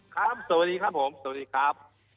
สวัสดีครับผมสวัสดีครับ